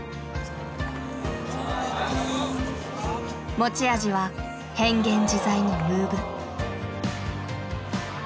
持ち味は変幻自在のムーブ。